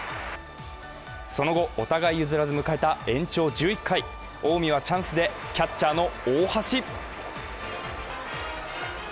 その後、お互い譲らず迎えた延長１１回近江はチャンスでキャッチャーの大橋。